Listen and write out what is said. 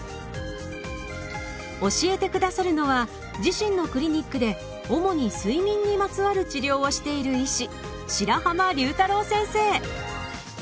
教えて下さるのは自身のクリニックで主に睡眠にまつわる治療をしている医師